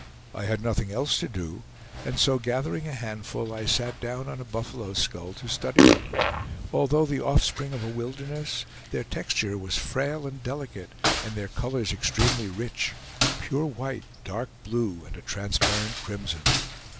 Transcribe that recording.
I had nothing else to do, and so gathering a handful, I sat down on a buffalo skull to study them. Although the offspring of a wilderness, their texture was frail and delicate, and their colors extremely rich; pure white, dark blue, and a transparent crimson.